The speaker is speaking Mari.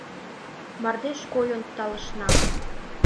Мардеж койын талышна.